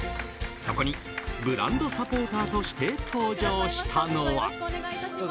そこにブランドサポーターとして登場したのは。